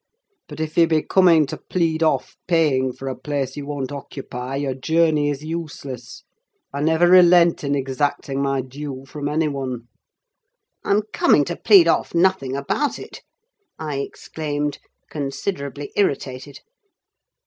"But if you be coming to plead off paying for a place you won't occupy, your journey is useless: I never relent in exacting my due from any one." "I'm coming to plead off nothing about it," I exclaimed, considerably irritated.